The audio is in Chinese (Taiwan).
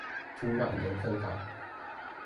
土壤鹽分高